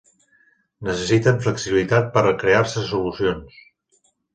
Necessiten flexibilitat per a crear-se solucions.